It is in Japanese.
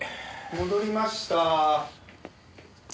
戻りましたー。